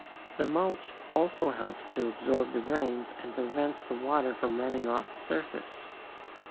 The mulch also helps to absorb the rains and prevents the water from running off the surface.